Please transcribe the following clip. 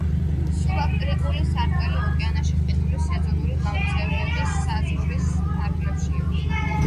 სუბარქტიკული სარტყელი ოკეანეში ყინულის სეზონური გავრცელების საზღვრის ფარგლებშია.